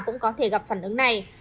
cũng có thể gặp phản ứng này